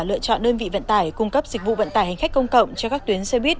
lựa chọn đơn vị vận tải cung cấp dịch vụ vận tải hành khách công cộng cho các tuyến xe buýt